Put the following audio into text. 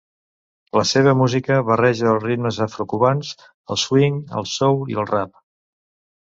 La seva música barreja els ritmes afrocubans: el swing, el soul i el rap.